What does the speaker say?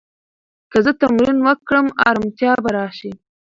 که زه تمرین وکړم، ارامتیا به راشي.